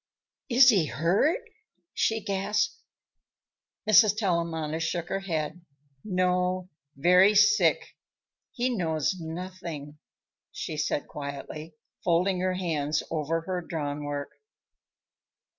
"Is he hurt?" she gasped. Mrs. Tellamantez shook her head. "No; very sick. He knows nothing," she said quietly, folding her hands over her drawn work.